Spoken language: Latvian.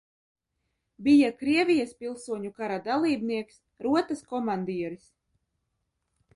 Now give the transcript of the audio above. Bija Krievijas pilsoņu kara dalībnieks, rotas komandieris.